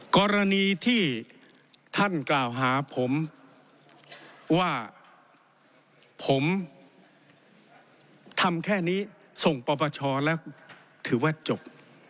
กรณีที่ท่านกล่าวหาผมว่าผมทำแค่นี้ส่งปปชแล้วถือว่าจบ